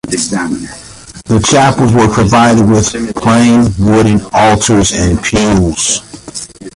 The chapels were provided with plain wooden altars and pews.